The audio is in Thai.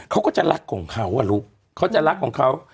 เขาก็จะรักของเขาอ่ะลูกเขาจะรักของเขา